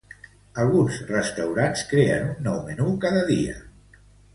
Alguns restaurants creen un nou menú cada dia.